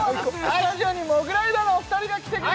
スタジオにモグライダーのお二人が来てくれました